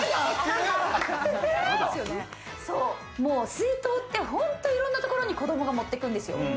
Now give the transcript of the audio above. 水筒って、本当にいろんなところに子どもが持ってくんですよ。